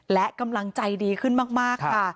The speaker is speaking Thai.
และกำลังใจดีขึ้นมากค่ะ